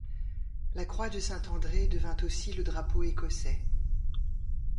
La croix de saint André devint ainsi le drapeau écossais.